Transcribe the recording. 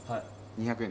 ２００円！